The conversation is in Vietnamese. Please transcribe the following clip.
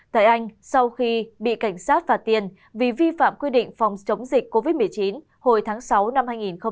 tại anh sau khi bị cảnh sát phạt tiền vì vi phạm quy định phòng chống dịch covid một mươi chín hồi tháng sáu năm hai nghìn hai mươi